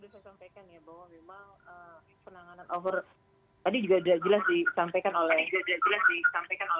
saya sudah sudah sampaikan ya bahwa memang penanganan over